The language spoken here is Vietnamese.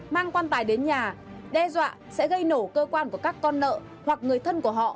mang quan tài đến nhà đe dọa sẽ gây nổ cơ quan của các con nợ hoặc người thân của họ